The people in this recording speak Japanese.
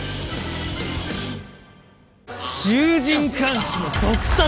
衆人環視の毒殺！